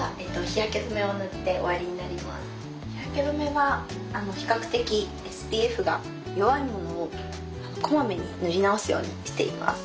日焼け止めは比較的ＳＰＦが弱いものをこまめに塗り直すようにしています。